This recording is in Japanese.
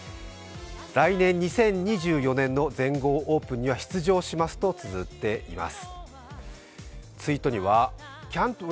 来年、２０２４年の全豪オープンには出場しますとつづっています。